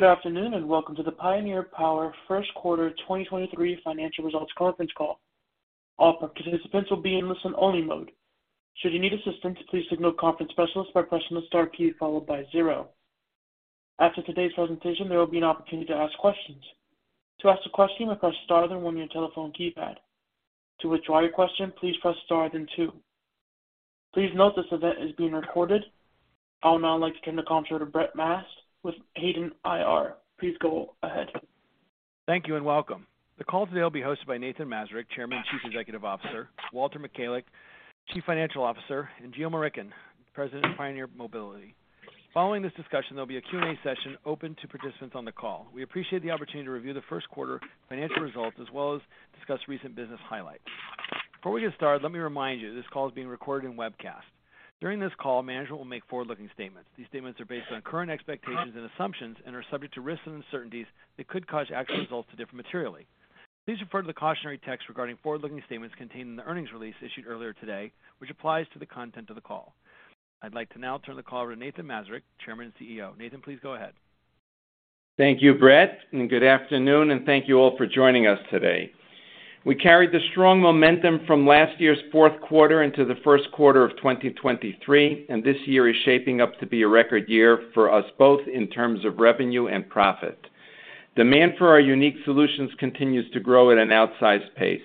Good afternoon and welcome to the Pioneer Power Q1 2023 Financial Results Conference Call. All participants will be in listen-only mode. Should you need assistance, please signal the conference specialist by pressing the star key followed by zero. After today's presentation, there will be an opportunity to ask questions. To ask a question, press star then one on your telephone keypad. To withdraw your question, please press star then two. Please note this event is being recorded. I would now like to turn the conference to Brett Maas with Hayden IR. Please go ahead. Thank you and welcome. The call today will be hosted by Nathan Mazurek, Chairman and Chief Executive Officer, Walter Michalec, Chief Financial Officer, and Geo Murickan, President of Pioneer Mobility. Following this discussion, there'll be a Q&A session open to participants on the call. We appreciate the opportunity to review the Q1 financial results as well as discuss recent business highlights. Before we get started, let me remind you, this call is being recorded in webcast. During this call, management will make forward-looking statements. These statements are based on current expectations and assumptions and are subject to risks and uncertainties that could cause actual results to differ materially. Please refer to the cautionary text regarding forward-looking statements contained in the earnings release issued earlier today which applies to the content of the call. I'd like to now turn the call over to Nathan Mazurek, Chairman and CEO. Nathan, please go ahead. Thank you Brett and good afternoon and thank you all for joining us today. We carried the strong momentum from last year's Q4 into the Q1 of 2023 and this year is shaping up to be a record year for us both in terms of revenue and profit. Demand for our unique solutions continues to grow at an outsized pace.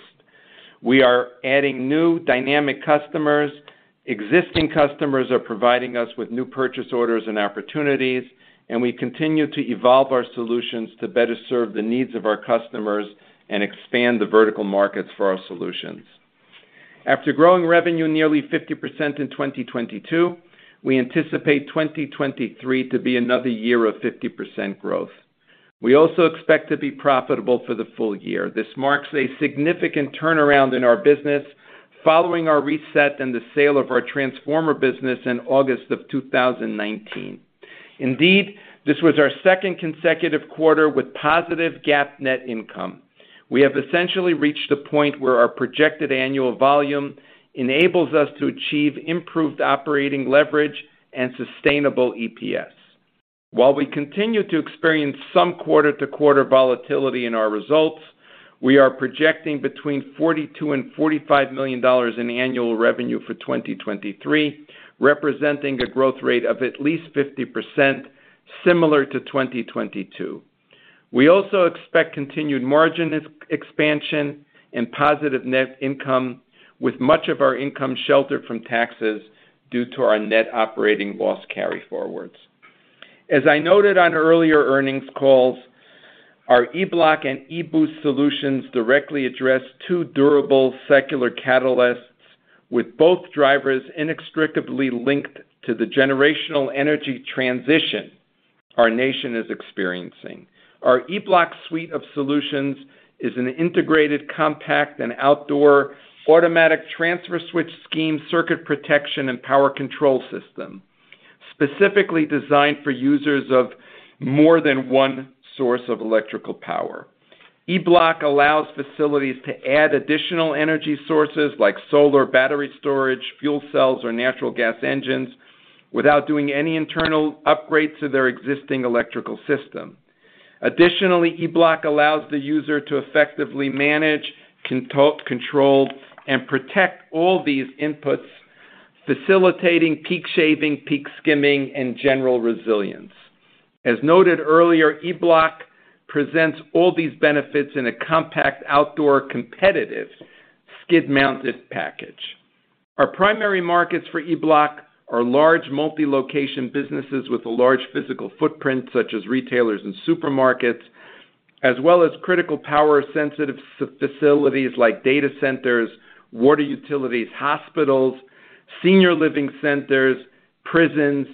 We are adding new dynamic customers. Existing customers are providing us with new purchase orders and opportunities and we continue to evolve our solutions to better serve the needs of our customers and expand the vertical markets for our solutions. After growing revenue nearly 50% in 2022 we anticipate 2023 to be another year of 50% growth. We also expect to be profitable for the full year. This marks a significant turnaround in our business following our reset and the sale of our transformer business in August of 2019. Indeed, this was our second consecutive quarter with positive GAAP net income. We have essentially reached the point where our projected annual volume enables us to achieve improved operating leverage and sustainable EPS. While we continue to experience some quarter-to-quarter volatility in our results, we are projecting between $42 million and $45 million in annual revenue for 2023 representing a growth rate of at least 50% similar to 2022. We also expect continued margin expansion and positive net income with much of our income sheltered from taxes due to our net operating loss carryforwards. As I noted on earlier earnings calls, our E-Bloc and e-Boost solutions directly address two durable secular catalysts with both drivers inextricably linked to the generational energy transition our nation is experiencing. Our E-Bloc suite of solutions is an integrated, compact, and outdoor automatic transfer switch scheme, circuit protection, and power control system, specifically designed for users of more than one source of electrical power. E-Bloc allows facilities to add additional energy sources like solar battery storage, fuel cells, or natural gas engines without doing any internal upgrades to their existing electrical system. E-Bloc allows the user to effectively manage, control, and protect all these inputs, facilitating peak shaving, peak skimming, and general resilience. As noted earlier, E-Bloc presents all these benefits in a compact outdoor competitive skid-mounted package. Our primary markets for E-Bloc are large multi-location businesses with a large physical footprint such as retailers and supermarkets as well as Critical Power-sensitive facilities like data centers, water utilities, hospitals, senior living centers, prisons,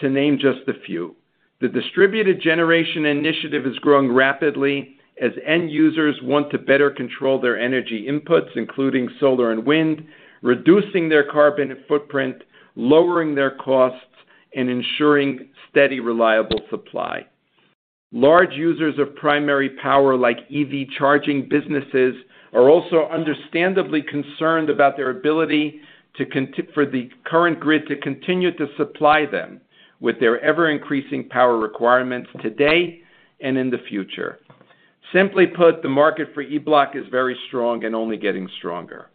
to name just a few. The distributed generation initiative is growing rapidly as end users want to better control their energy inputs, including solar and wind, reducing their carbon footprint, lowering their costs, and ensuring steady, reliable supply. Large users of primary power like EV charging businesses are also understandably concerned about their ability for the current grid to continue to supply them with their ever-increasing power requirements today and in the future. Simply put, the market for E-Bloc is very strong and only getting stronger.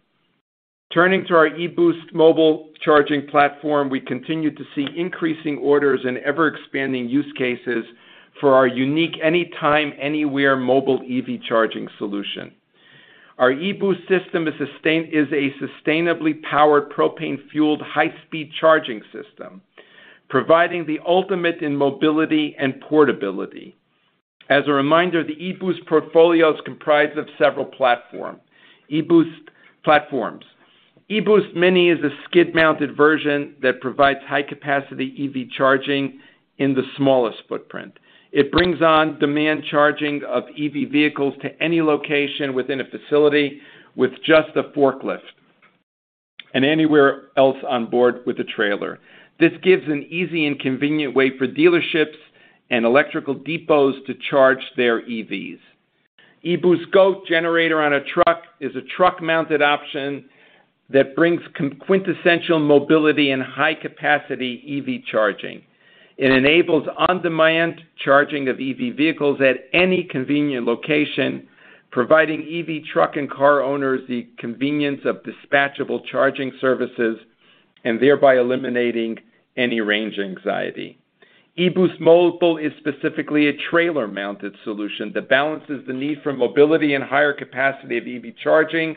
Turning to our e-Boost mobile charging platform, we continue to see increasing orders and ever-expanding use cases for our unique anytime, anywhere mobile EV charging solution. Our e-Boost system is a sustainably powered propane-fueled high-speed charging system providing the ultimate in mobility and portability. As a reminder, the e-Boost portfolio is comprised of several e-Boost platforms. e-Boost Mini is a skid-mounted version that provides high-capacity EV charging in the smallest footprint. It brings on-demand charging of EV vehicles to any location within a facility with just a forklift and anywhere else on board with a trailer. This gives an easy and convenient way for dealerships and electrical depots to charge their EVs. e-Boost GOAT generator on a truck is a truck-mounted option that brings quintessential mobility and high-capacity EV charging. It enables on-demand charging of EV vehicles at any convenient location providing EV truck and car owners the convenience of dispatchable charging services and thereby eliminating any range anxiety. e-Boost Mobile is specifically a trailer-mounted solution that balances the need for mobility and higher capacity of EV charging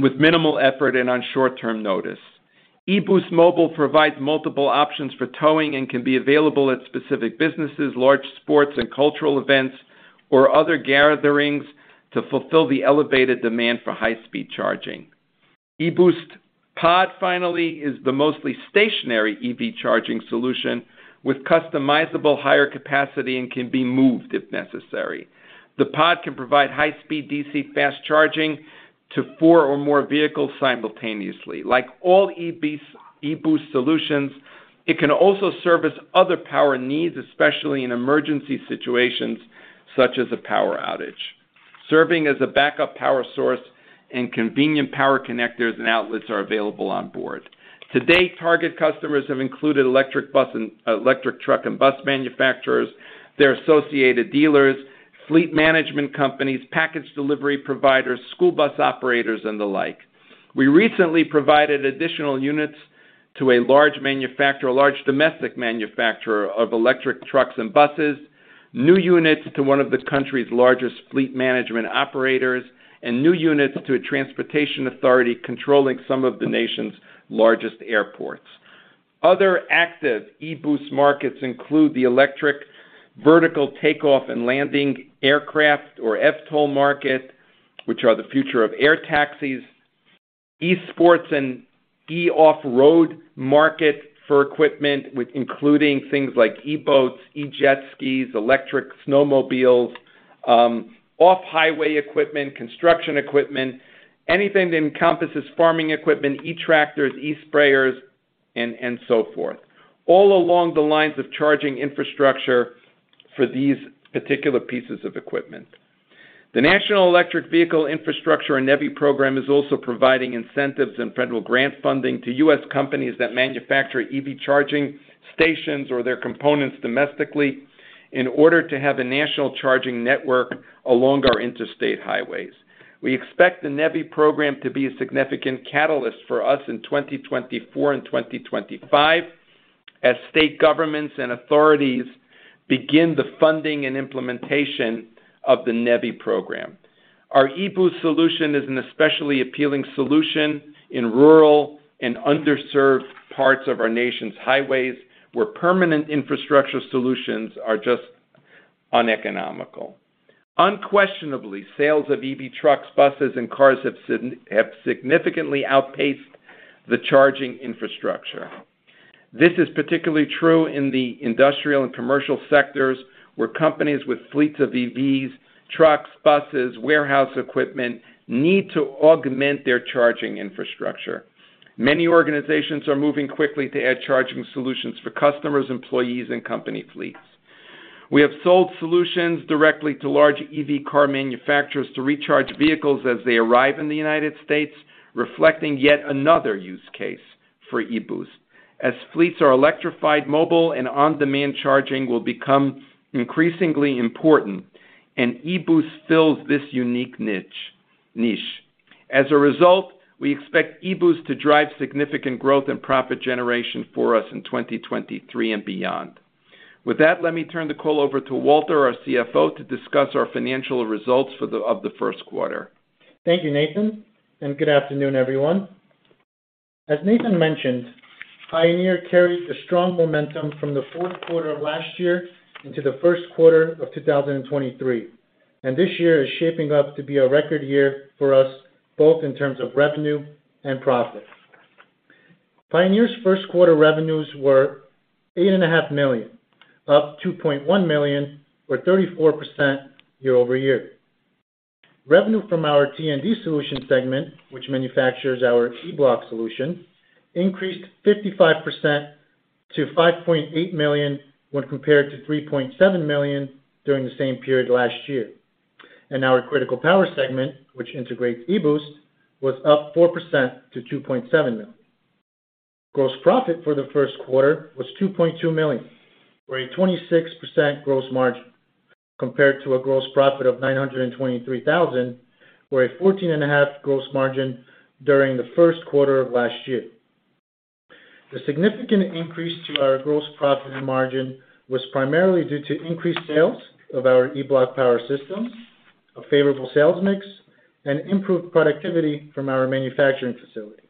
with minimal effort and on short-term notice. e-Boost Mobile provides multiple options for towing and can be available at specific businesses large sports and cultural events, or other gatherings to fulfill the elevated demand for high-speed charging. e-Boost Pod, finally is the mostly stationary EV charging solution with customizable higher capacity and can be moved if necessary. The Pod can provide high-speed DC fast charging to four or more vehicles simultaneously. Like all e-Boost solutions, it can also service other power needs, especially in emergency situations such as a power outage, serving as a backup power source, and convenient power connectors and outlets are available on board. To date, target customers have included electric truck and bus manufacturers, their associated dealers, fleet management companies, package delivery providers, school bus operators, and the like. We recently provided additional units to a large manufacturer, a large domestic manufacturer of electric trucks and buses, new units to one of the country's largest fleet management operators, and new units to a transportation authority controlling some of the nation's largest airports. Other active e-Boost markets include the electric vertical takeoff and landing aircraft or VTOL market, which are the future of air taxis, eSports and e-Off Road market for equipment including things like e-Boats, e-Jet Skis, electric snowmobiles, off-highway equipment, construction equipment, anything that encompasses farming equipment, e-Tractors, e-Sprayers, and so forth, all along the lines of charging infrastructure for these particular pieces of equipment. The National Electric Vehicle Infrastructure or NEVI program is also providing incentives and federal grant funding to U.S. companies that manufacture EV charging stations or their components domestically in order to have a national charging network along our interstate highways. We expect the NEVI program to be a significant catalyst for us in 2024 and 2025 as state governments and authorities begin the funding and implementation of the NEVI program. Our e-Boost solution is an especially appealing solution in rural and underserved parts of our nation's highways where permanent infrastructure solutions are just uneconomical. Unquestionably, sales of EV trucks, buses, and cars have significantly outpaced the charging infrastructure. This is particularly true in the industrial and commercial sector where companies with fleets of EVs, trucks, buses, warehouse equipment need to augment their charging infrastructure. Many organizations are moving quickly to add charging solutions for customers, employees, and company fleets. We have sold solutions directly to large EV car manufacturers to recharge vehicles as they arrive in the United States, reflecting yet another use case for e-Boost. As fleets are electrified, mobile and on-demand charging will become increasingly important, and e-Boost fills this unique niche. As a result, we expect e-Boost to drive significant growth and profit generation for us in 2023 and beyond. With that, let me turn the call over to Walter, our CFO, to discuss our financial results of the Q1. Thank you Nathan. Good afternoon everyone. As Nathan mentioned, Pioneer carried a strong momentum from the Q4 of last year into the Q1 of 2023 and this year is shaping up to be a record year for us, both in terms of revenue and profit. Pioneer's Q1 revenues were $8.5 million up $2.1 million or 34% year-over-year. Revenue from our T&D Solutions segment which manufactures our E-Bloc solution increased 55% to $5.8 million when compared to $3.7 million during the same period last year. Our Critical Power segment which integrates e-Boost, was up 4% to $2.7 million. Gross profit for the Q1 was $2.2 million or a 26% gross margin compared to a gross profit of $923,000 or a 14.5% gross margin during the Q1 of last year. The significant increase to our gross profit and margin was primarily due to increased sales of our E-Bloc power systems, a favorable sales mix, and improved productivity from our manufacturing facility.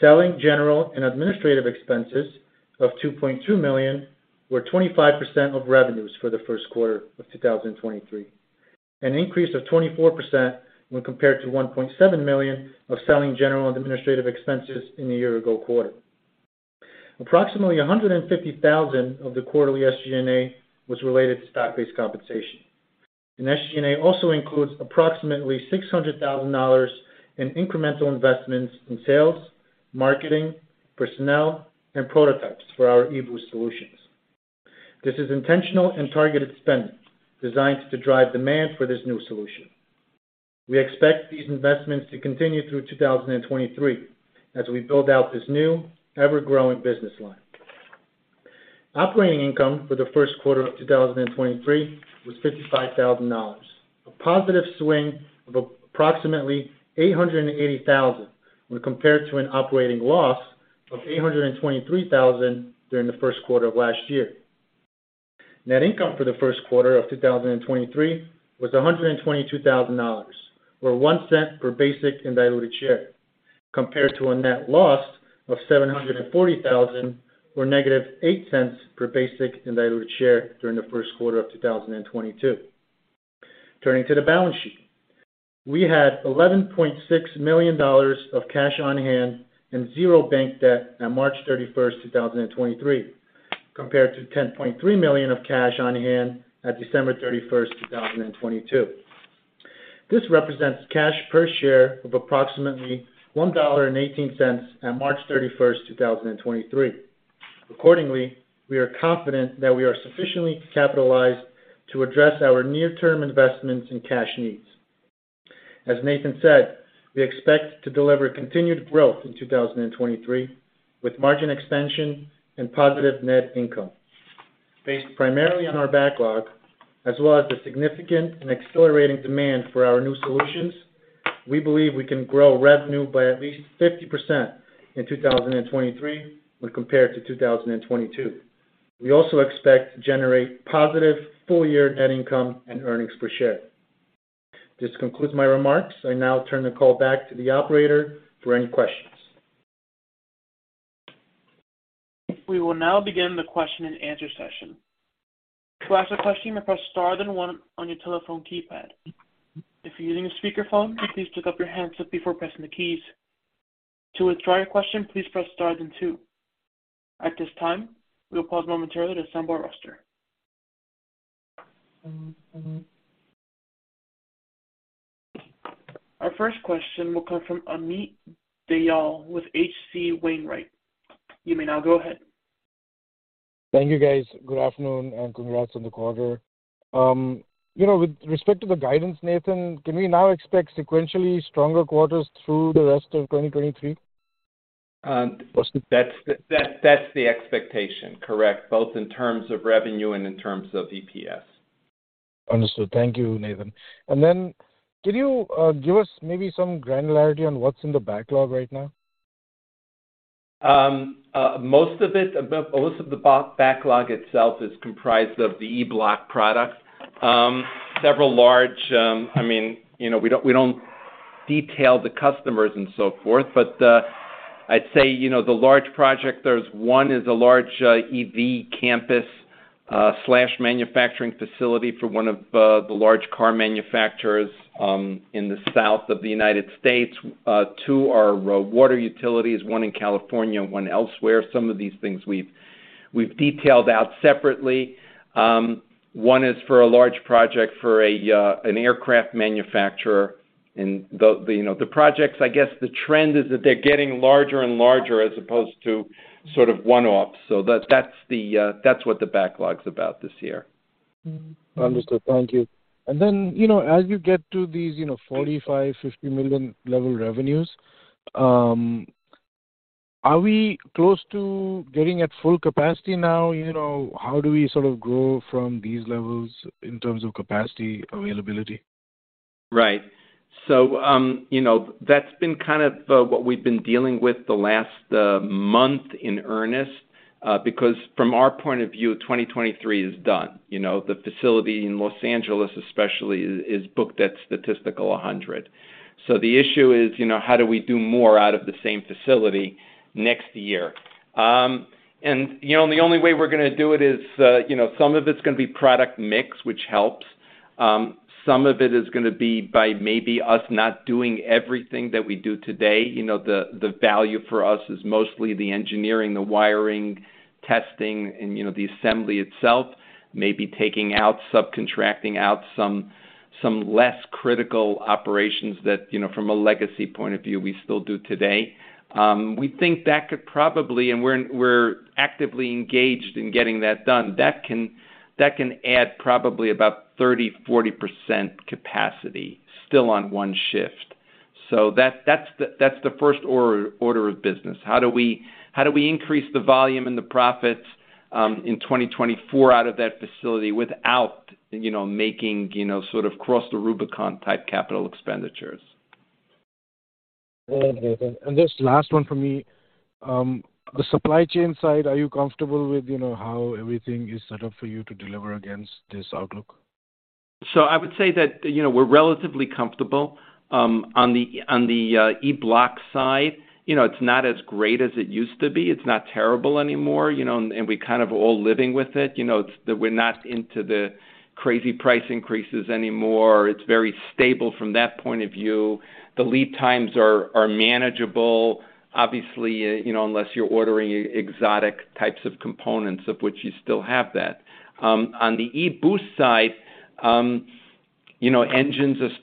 Selling, general, and administrative expenses of $2.2 million were 25% of revenues for the Q1 of 2023 an increase of 24% when compared to $1.7 million of selling general and administrative expenses in the year-ago quarter. Approximately $150,000 of the quarterly SG&A was related to stock-based compensation. SG&A also includes approximately $600,000 in incremental investments in sales, marketing, personnel, and prototypes for our e-Boost solutions. This is intentional and targeted spending designed to drive demand for this new solution. We expect these investments to continue through 2023 as we build out this new ever-growing business line. Operating income for the Q1 of 2023 was $55,000, a positive swing of approximately $880,000 when compared to an operating loss of $823,000 during the Q1 of last year. Net income for the Q1 of 2023 was $122,000 or $0.01 per basic and diluted share compared to a net loss of $740,000 or -$0.08 per basic and diluted share during the Q1 of 2022. Turning to the balance sheet. We had $11.6 million of cash on hand and zero bank debt on March 31st, 2023 compared to $10.3 million of cash on hand at December 31st, 2022. This represents cash per share of approximately $1.18 on March 31st, 2023. Accordingly, we are confident that we are sufficiently capitalized to address our near-term investments and cash needs. As Nathan said, we expect to deliver continued growth in 2023 with margin expansion and positive net income. Based primarily on our backlog as well as the significant and accelerating demand for our new solutions, we believe we can grow revenue by at least 50% in 2023 when compared to 2022. We also expect to generate positive full-year net income and earnings per share. This concludes my remarks. I now turn the call back to the operator for any questions. We will now begin the question and answer session. To ask a question, press star then one on your telephone keypad. If you're using a speakerphone, please pick up your handset before pressing the keys. To withdraw your question, please press star and two. At this time, we'll pause momentarily to assemble our roster. Our first question will come from Amit Dayal with H.C. Wainwright. You may now go ahead. Thank you guys. Good afternoon. Congrats on the quarter, you know, with respect to the guidance, Nathan, can we now expect sequentially stronger quarters through the rest of 2023? That's the expectation. Correct. Both in terms of revenue and in terms of EPS. Understood. Thank you Nathan. Could you give us maybe some granularity on what's in the backlog right now? Most of it about most of the backlog itself is comprised of the E-Bloc products. Several large, I mean, you know, we don't, we don't detail the customers and so forth but I'd say, you know, the large project there's won is a large EV campus slash manufacturing facility for one of the large car manufacturers in the South of the United States, to our water utilities one in California and one elsewhere. Some of these things we've detailed out separately. One is for a large project for an aircraft manufacturer. The, you know, the projects I guess the trend is that they're getting larger and larger as opposed to sort of one-off. That's, that's the, that's what the backlog's about this year. Understood. Thank you. You know, as you get to these, you know, $45 million, $50 million level revenues, are we close to getting at full capacity now? You know, how do we sort of grow from these levels in terms of capacity availability? Right. You know, that's been kind of what we've been dealing with the last month in earnest because from our point of view 2023 is done. You know, the facility in Los Angeles especially is booked at statistical 100. The issue is, you know, how do we do more out of the same facility next year? You know, the only way we're gonna do it is, you know, some of it's gonna be product mix which helps. Some of it is gonna be by maybe us not doing everything that we do today. You know, the value for us is mostly the engineering, the wiring, testing, and, you know, the assembly itself. Maybe taking out, subcontracting out some less critical operations that, you know, from a legacy point of view we still do today. We think that could probably and we're actively engaged in getting that done. That can add probably about 30%, 40% capacity still on one shift. That's the first order of business. How do we increase the volume and the profits in 2024 out of that facility without, you know, making, you know, sort of cross the Rubicon type capital expenditures. Okay. Just last one from me. The supply chain side, are you comfortable with, you know, how everything is set up for you to deliver against this outlook? I would say that, you know, we're relatively comfortable on the E-Bloc side. You know, it's not as great as it used to be. It's not terrible anymore, you know, and we're kind of all living with it. You know, we're not into the crazy price increases anymore. It's very stable from that point of view. The lead times are manageable, obviously, you know, unless you're ordering exotic types of components of which you still have that. On the e-Boost side. You know, engines are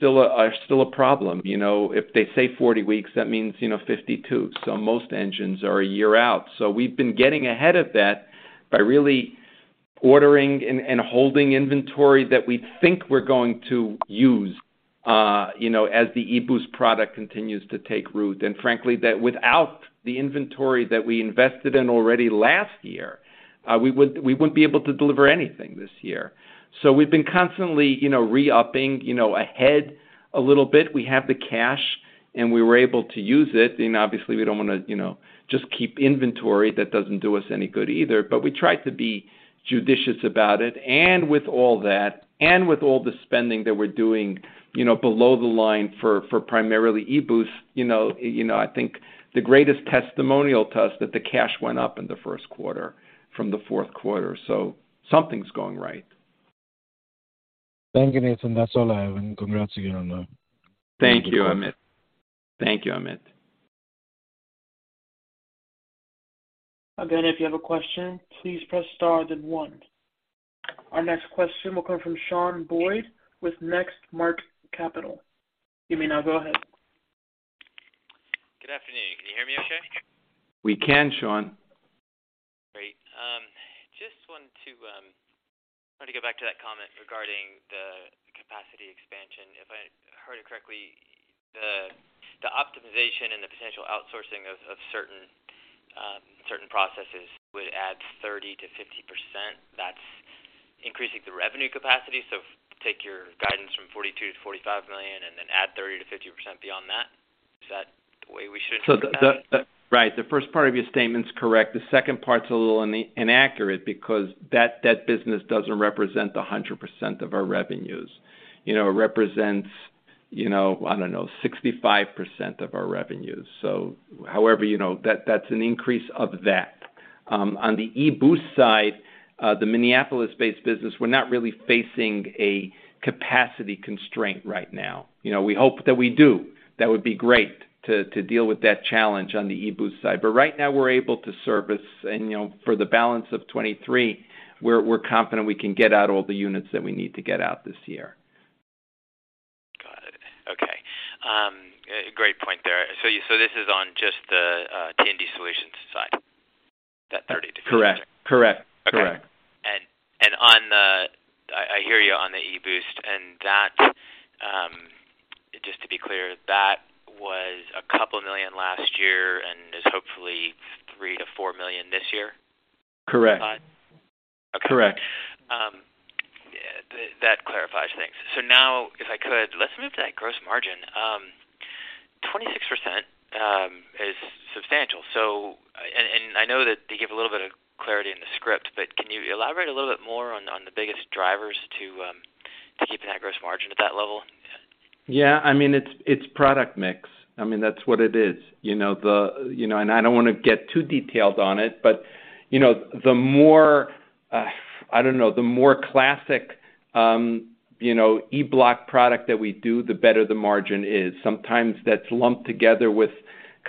still a problem. You know, if they say 40 weeks, that means, you know, 52. Most engines are a year out. We've been getting ahead of that by really ordering and holding inventory that we think we're going to use, you know, as the e-Boost product continues to take root. Frankly, that without the inventory that we invested in already last year, we would, we wouldn't be able to deliver anything this year. We've been constantly, you know, re-upping, you know, ahead a little bit. We have the cash, and we were able to use it. You know, obviously, we don't wanna, you know, just keep inventory that doesn't do us any good either. We try to be judicious about it. With all that and with all the spending that we're doing, you know, below the line for primarily e-Boost, you know, I think the greatest testimonial to us that the cash went up in the Q1 from the Q4. Something's going right. Thank you Nathan. That's all I have. Congrats again on. Thank you Amit. Thank you Amit. Again, if you have a question, please press star then one. Our next question will come from Shawn Boyd with Next Mark Capital. You may now go ahead. Good afternoon. Can you hear me okay? We can, Shawn. Great. Just wanted to kinda go back to that comment regarding the capacity expansion. If I heard you correctly, the optimization and the potential outsourcing of certain processes would add 30%-50%. That's increasing the revenue capacity. Take your guidance from $42 million-$45 million and then add 30%-50% beyond that. Is that the way we should interpret that? Right. The first part of your statement's correct. The second part's a little inaccurate because that business doesn't represent 100% of our revenues. You know, it represents, you know, I don't know, 65% of our revenues. However, you know, that's an increase of that. On the e-Boost side, the Minneapolis-based business, we're not really facing a capacity constraint right now. You know, we hope that we do. That would be great to deal with that challenge on the e-Boost side. Right now we're able to service and, you know, for the balance of 2023 we're confident we can get out all the units that we need to get out this year. Got it. Okay. Great point there. This is on just the T&D Solutions side, that 30%-50%. Correct. Correct. Correct. Okay. On the, hear you on the e-Boost, and that, just to be clear that was $2 million last year and is hopefully $3 million-$4 million this year? Correct. Okay. Correct. That clarifies things. Now if I could, let's move to that gross margin. 26% is substantial. And I know that they give a little bit of clarity in the script but can you elaborate a little bit more on the biggest drivers to keeping that gross margin at that level? Yeah. I mean, it's product mix. I mean, that's what it is. You know, I don't wanna get too detailed on it but, you know, the more, I don't know, the more classic, you know, E-Bloc product that we do the better the margin is. Sometimes that's lumped together with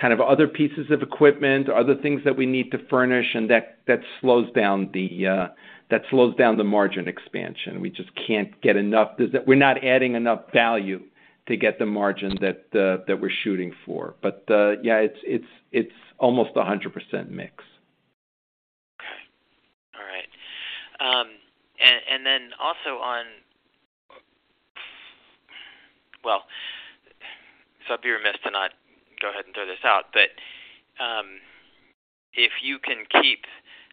kind of other pieces of equipment, other things that we need to furnish, and that slows down the margin expansion. We just can't get enough. We're not adding enough value to get the margin that we're shooting for. Yeah, it's, it's almost 100% mix. Okay. All right. Then also on. I'd be remiss to not go ahead and throw this out. If you can keep.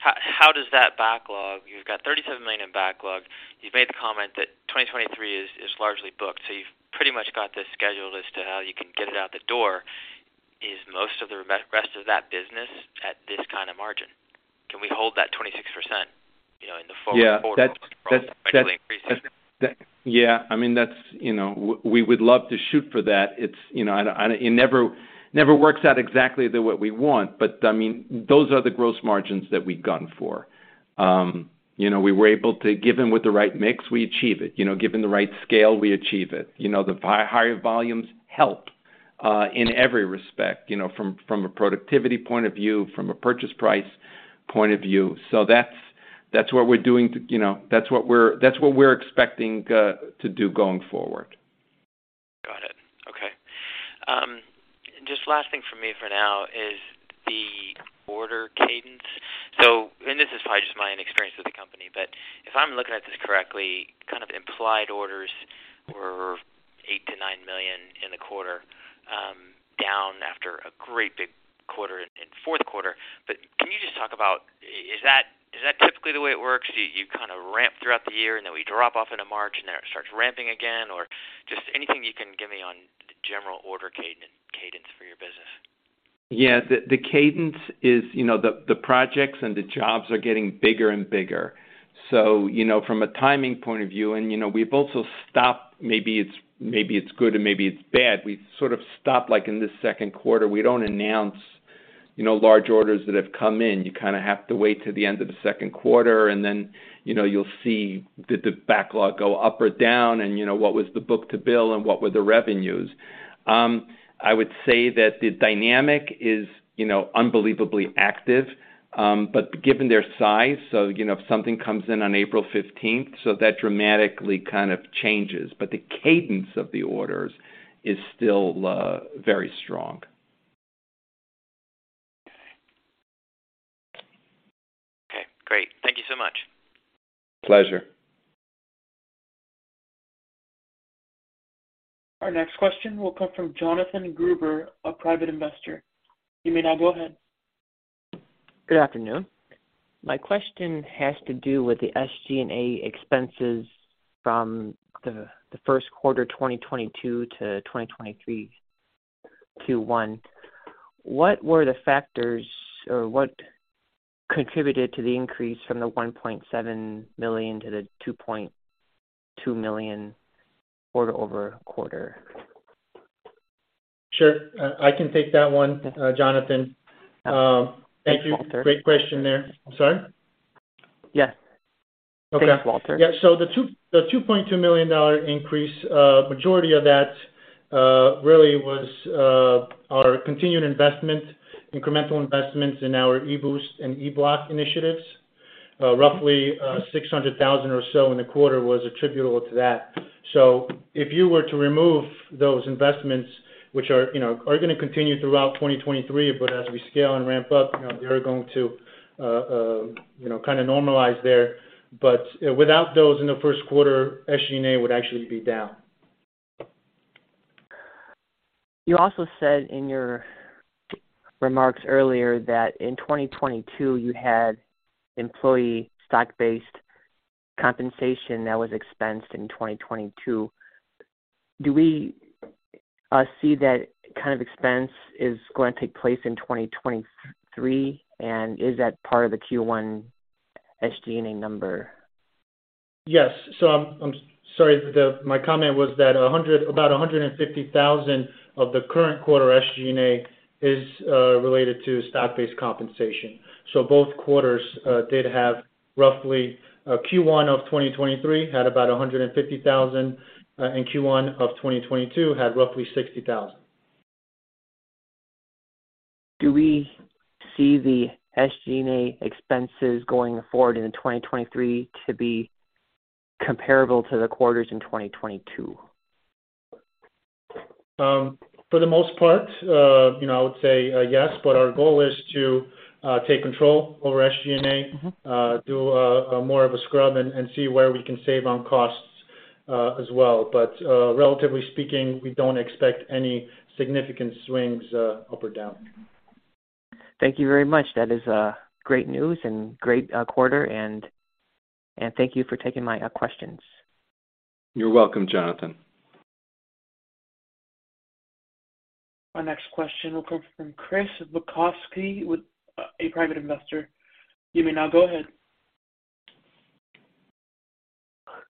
How does that backlog? You've got $37 million backlog. You've made the comment that 2023 is largely booked, so you've pretty much got the schedule as to how you can get it out the door. Is most of the rest of that business at this kind of margin? Can we hold that 26%, you know, in the forward. Yeah. That's. Quarters most probably, basically increasing? That's. Yeah. I mean, that's, you know, we would love to shoot for that. It's, you know, and it never works out exactly the way we want. I mean, those are the gross margins that we gone for. You know, we were able to, given with the right mix, we achieve it. You know, given the right scale, we achieve it. You know, the higher volumes help in every respect, you know, from a productivity point of view, from a purchase price point of view. That's, that's what we're doing to, you know, that's what we're expecting to do going forward. Got it. Okay. Just last thing from me for now is the order cadence. This is probably just my inexperience with the company but if I'm looking at this correctly, kind of implied orders were $8-$9 million in the quarter, down after a great big quarter in Q4. Can you just talk about is that typically the way it works? You kinda ramp throughout the year, and then we drop off in a margin then it starts ramping again? Just anything you can give me on the general order cadence for your business. Yeah. The, the cadence is, you know, the projects and the jobs are getting bigger and bigger. From a timing point of view and, you know, we've also stopped, maybe it's, maybe it's good and maybe it's bad we sort of stopped like in this Q2, we don't announce, you know, large orders that have come in. You kinda have to wait till the end of the Q2, and then, you know, you'll see did the backlog go up or down and, you know, what was the book-to-bill and what were the revenues. I would say that the dynamic is, you know, unbelievably active. Given their size, so you know, if something comes in on April 15th, so that dramatically kind of changes. The cadence of the orders is still very strong. Okay. Great. Thank you so much. Pleasure. Our next question will come from Jonathan Gruber, a Private Investor. You may now go ahead. Good afternoon. My question has to do with the SG&A expenses from the Q1, 2022 to 2023 Q1. What were the factors or what contributed to the increase from the $1.7 million to the $2.2 million quarter-over-quarter? Sure. I can take that one, Jonathan. Thank you. Thanks, Walter. Great question there. I'm sorry? Yes. Okay. Thanks, Walter. The $2.2 million increase majority of that really was our continued investment, incremental investments in our e-Boost and E-Bloc initiatives. Roughly $600,000 or so in the quarter was attributable to that. If you were to remove those investments which are, you know, gonna continue throughout 2023 but as we scale and ramp up, you know, they are gonna kinda normalize there. Without those in the Q1, SG&A would actually be down. You also said in your remarks earlier that in 2022 you had employee stock-based compensation that was expensed in 2022. Do we see that kind of expense is going to take place in 2023? Is that part of the Q1 SG&A number? Yes. I'm sorry. My comment was that about $150,000 of the current quarter SG&A is related to stock-based compensation. Both quarters did have roughly Q1 of 2023 had about $150,000 and Q1 of 2022 had roughly $60,000. Do we see the SG&A expenses going forward into 2023 to be comparable to the quarters in 2022? for the most part, you know, I would say, yes, but our goal is to take control over SG&A. Mm-hmm. Do more of a scrub and see where we can save on costs, as well. Relatively speaking, we don't expect any significant swings up or down. Thank you very much. That is great news and great quarter and thank you for taking my questions. You're welcome Jonathan. Our next question will come from Chris Bukowski with a Private Investor. You may now go ahead.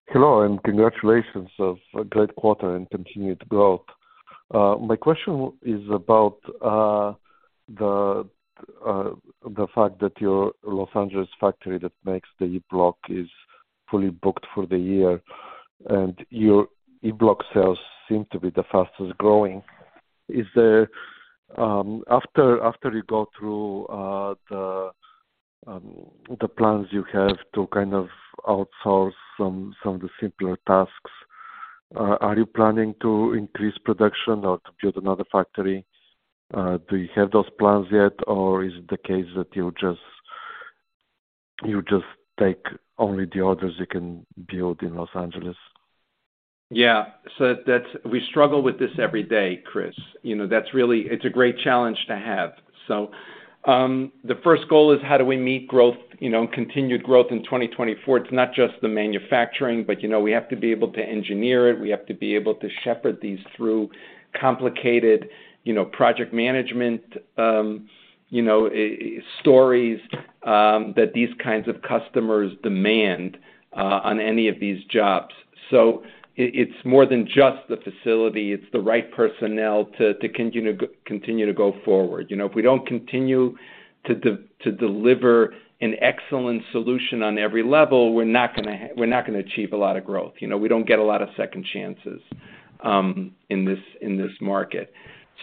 Hello, and congratulations of a great quarter and continued growth. My question is about the fact that your Los Angeles factory that makes the E-Bloc is fully booked for the year and your E-Bloc sales seem to be the fastest-growing. Is there, after you go through the plans you have to kind of outsource some of the simpler tasks are you planning to increase production or to build another factory? Do you have those plans yet or is it the case that you'll just take only the orders you can build in Los Angeles? Yeah. That's we struggle with this every day, Chris. You know, that's really. It's a great challenge to have. The first goal is how do we meet growth, you know, continued growth in 2024? It's not just the manufacturing, but, you know, we have to be able to engineer it. We have to be able to shepherd these through complicated, you know, project management, you know, stories that these kinds of customers demand on any of these jobs. It's more than just the facility, it's the right personnel to continue to go forward. You know, if we don't continue to deliver an excellent solution on every level we're not gonna achieve a lot of growth. You know, we don't get a lot of second chances in this, in this market.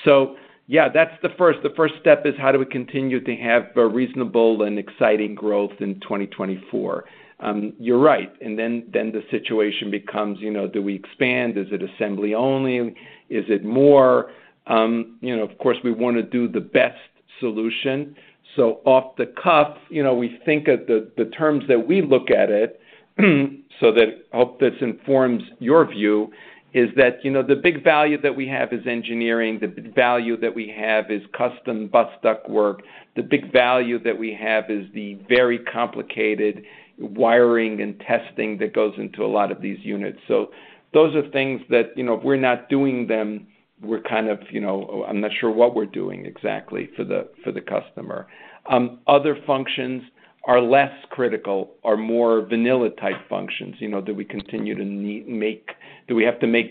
That's the first. The first step is how do we continue to have a reasonable and exciting growth in 2024? You're right. The situation becomes, you know, do we expand? Is it assembly only? Is it more? You know, of course, we wanna do the best solution. Off the cuff, you know, we think at the terms that we look at it, so that hope this informs your view, is that, you know, the big value that we have is engineering. The big value that we have is custom bus duct work. The big value that we have is the very complicated wiring and testing that goes into a lot of these units. Those are things that, you know, if we're not doing them, we're kind of, you know. I'm not sure what we're doing exactly for the, for the customer. Other functions are less critical, are more vanilla type functions. You know, do we continue to make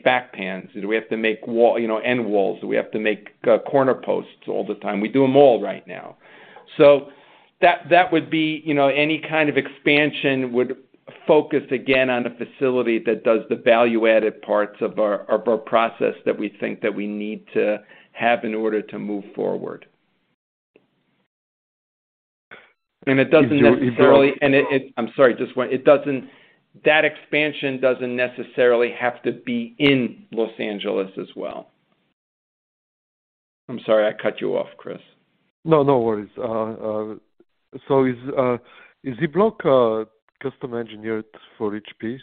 back pans? Do we have to make wall, you know, end walls? Do we have to make corner posts all the time? We do them all right now. That, that would be, you know, any kind of expansion would focus again on a facility that does the value-added parts of our, of our process that we think that we need to have in order to move forward. It doesn't necessarily. E-Bloc. It, I'm sorry, just one. That expansion doesn't necessarily have to be in Los Angeles as well. I'm sorry, I cut you off, Chris. No, no worries. Is E-Bloc custom engineered for each piece?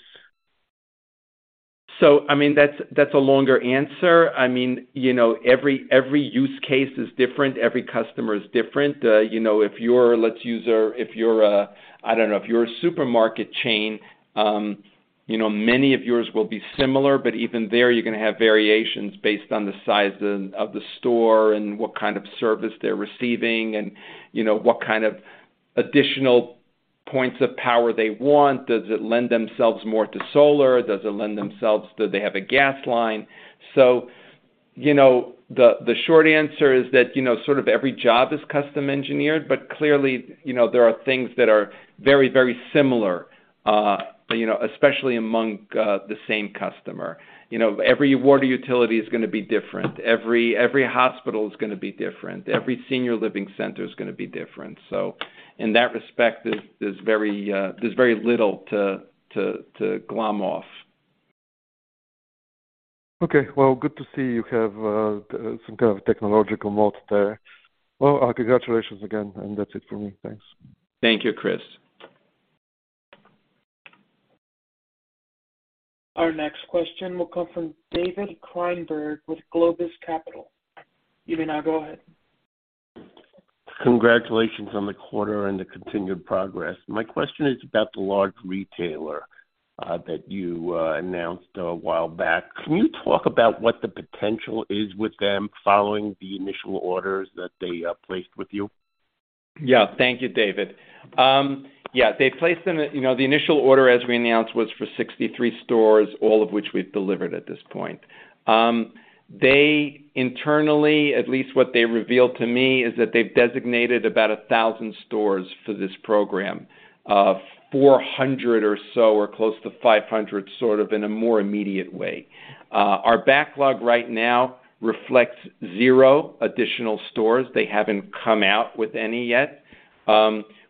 I mean, that's a longer answer. I mean, you know, every use case is different every customer is different. You know, if you're, let's use a, if you're a, I don't know, if you're a supermarket chain, you know, many of yours will be similar but even there, you're gonna have variations based on the size of the store and what kind of service they're receiving and, you know, what kind of additional points of power they want. Does it lend themselves more to solar? Do they have a gas line? You know, the short answer is that, you know, sort of every job is custom engineered but clearly, you know, there are things that are very, very similar, you know, especially among the same customer. You know, every water utility is gonna be different. Every hospital is gonna be different. Every senior living center is gonna be different. In that respect, there's very little to glom off. Okay. Well, good to see you have some kind of technological moat there. Well, congratulations again. That's it for me. Thanks. Thank you Chris. Our next question will come from David Kreinberg with Globis Capital. You may now go ahead. Congratulations on the quarter and the continued progress. My question is about the large retailer that you announced a while back. Can you talk about what the potential is with them following the initial orders that they placed with you? Yeah. Thank you David. Yeah, they placed an, you know, the initial order, as we announced, was for 63 stores all of which we've delivered at this point. They internally, at least what they revealed to me, is that they've designated about 1,000 stores for this program. 400 or so or close to 500 sort of in a more immediate way. Our backlog right now reflects zero additional stores. They haven't come out with any yet.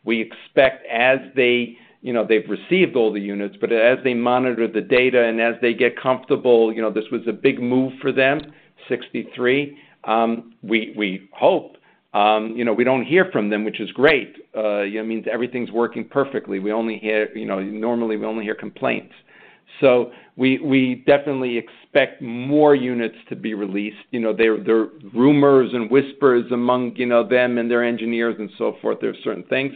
We expect as they, you know, they've received all the units, but as they monitor the data and as they get comfortable, you know, this was a big move for them 63, we hope, you know, we don't hear from them, which is great. It means everything's working perfectly. We only hear, you know, normally, we only hear complaints. We definitely expect more units to be released. You know, there are rumors and whispers among, you know, them and their engineers and so forth. There are certain things.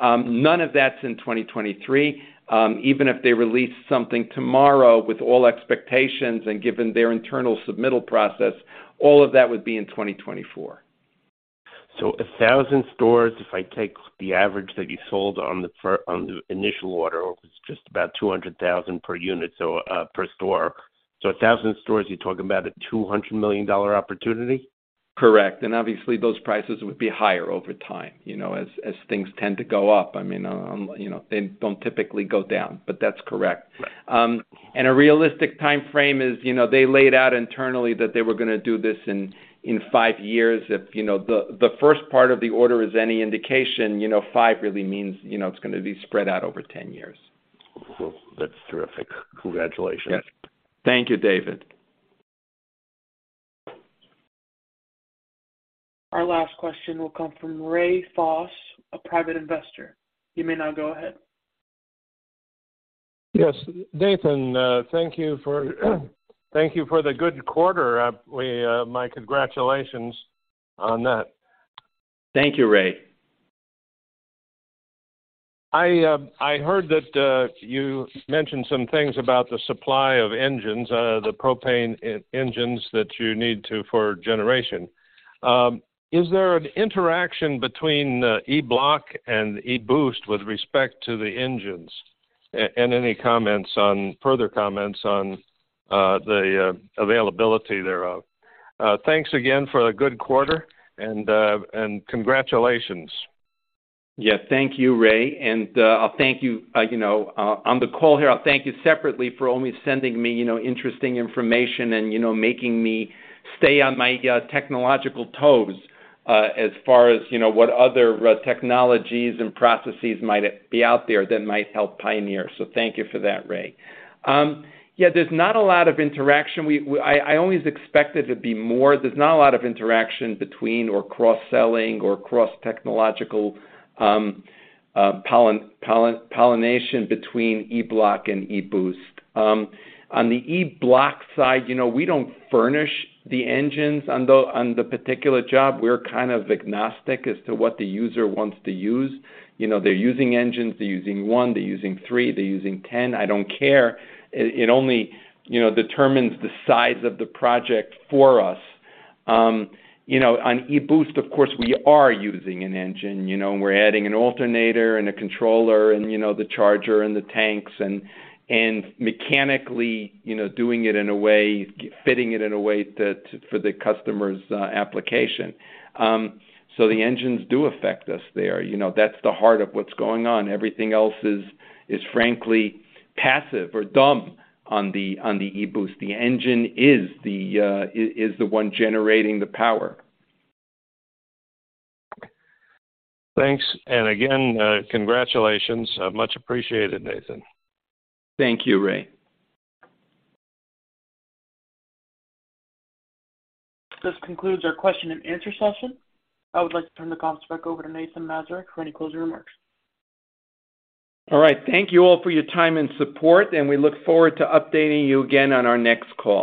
None of that's in 2023. Even if they release something tomorrow with all expectations and given their internal submittal process, all of that would be in 2024. A 1,000 stores, if I take the average that you sold on the initial order was just about $200,000 per unit so per store. A 1,000 stores, you're talking about a $200 million opportunity? Correct. Obviously those prices would be higher over time, you know, as things tend to go up. I mean, you know, they don't typically go down but that's correct. A realistic timeframe is, you know, they laid out internally that they were gonna do this in five years. If, you know, the first part of the order is any indication, you know, five really means, you know, it's gonna be spread out over 10 years. That's terrific. Congratulations. Yeah. Thank you David. Our last question will come from Ray Fosse, a Private Investor. You may now go ahead. Yes. Nathan, thank you for the good quarter. My congratulations on that. Thank you, Ray. I heard that you mentioned some things about the supply of engines, the propane engines that you need to for generation. Is there an interaction between E-Bloc and e-Boost with respect to the engines? Any further comments on the availability thereof. Thanks again for a good quarter and congratulations. Yeah. Thank you Ray. I'll thank you know, on the call here, I'll thank you separately for always sending me, you know, interesting information and, you know, making me stay on my technological toes, as far as, you know, what other technologies and processes might be out there that might help Pioneer. Thank you for that, Ray. Yeah, there's not a lot of interaction. I always expect there to be more. There's not a lot of interaction between or cross-selling or cross-technological pollination between E-Bloc and e-Boost. On the E-Bloc side, you know, we don't furnish the engines on the particular job. We're kind of agnostic as to what the user wants to use. You know, they're using engines, they're using one, they're using three, they're using 10. I don't care. It only, you know, determines the size of the project for us. You know, on e-Boost, of course, we are using an engine, you know, we're adding an alternator and a controller and, you know, the charger and the tanks and mechanically, you know, doing it in a way, fitting it in a way that, for the customer's application. The engines do affect us there. You know, that's the heart of what's going on. Everything else is frankly passive or dumb on the e-Boost. The engine is the one generating the power. Thanks. Again, congratulations. Much appreciated, Nathan. Thank you Ray. This concludes our question and answer session. I would like to turn the conference back over to Nathan Mazurek for any closing remarks. All right. Thank you all for your time and support. We look forward to updating you again on our next call.